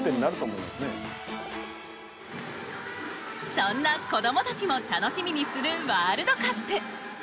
そんな子どもたちも楽しみにするワールドカップ。